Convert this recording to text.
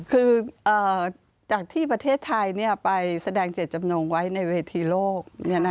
คือจากที่ประเทศไทยไปแสดงเจตจำนงไว้ในเวทีโลก